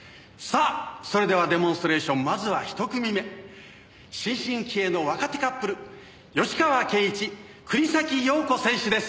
「さあそれではデモンストレーションまずは一組目新進気鋭の若手カップル芳川圭一国東遥子選手です」